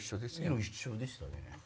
色一緒でしたね。